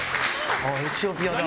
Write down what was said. あ、エチオピアだ。